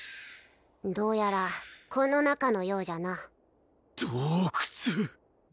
どうやらこの中のようじゃな洞窟！？